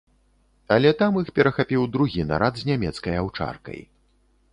Але там іх перахапіў другі нарад з нямецкай аўчаркай.